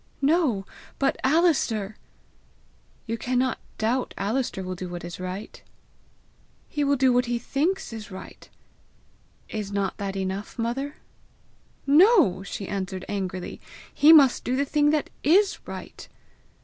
"No; but Alister!" "You cannot doubt Alister will do what is right!" "He will do what he thinks right!" "Is not that enough, mother?" "No," she answered angrily; "he must do the thing that is right."